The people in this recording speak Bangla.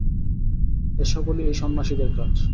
এ সকলই এই সন্ন্যাসীদের কাজ।